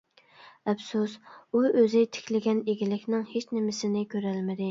ئەپسۇس، ئۇ ئۆزى تىكلىگەن ئىگىلىكىنىڭ ھېچنېمىسىنى كۆرەلمىدى!